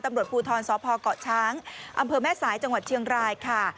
ตำรวจภูทรสพเกาะช้างอำเภอแม่สายจังหวัดเชียงรายค่ะ